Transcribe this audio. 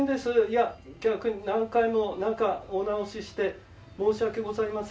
いや逆に何回もなんかお直しして申し訳ございません。